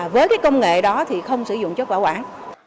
với cái công nghệ đó thì không sử dụng chất bảo quản